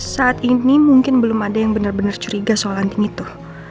saat ini mungkin belum ada yang bener bener curiga soal anting itu